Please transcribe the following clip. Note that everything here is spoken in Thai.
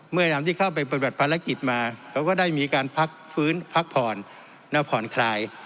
พยายามที่เข้าไปปฏิบัติภารกิจมาเขาก็ได้มีการพักฟื้นพักผ่อนและผ่อนคลาย